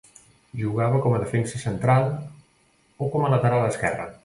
Jugava com a defensa central o com a lateral esquerre.